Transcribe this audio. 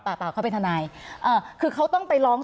เปล่าเขาเป็นทนายอ่าคือเขาต้องไปร้อง